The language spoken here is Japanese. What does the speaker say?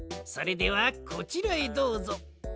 それではこちらへどうぞ。